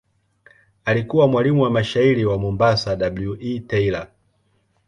Alikuwa mwalimu wa mshairi wa Mombasa W. E. Taylor.